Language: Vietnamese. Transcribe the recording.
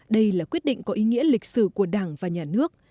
đây là quyết định có ý nghĩa lịch sử của đảng và nhà nước